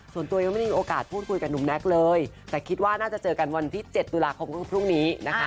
ส่วนตัวยังไม่ได้มีโอกาสพูดคุยกับหนุ่มแน็กเลยแต่คิดว่าน่าจะเจอกันวันที่๗ตุลาคมก็คือพรุ่งนี้นะคะ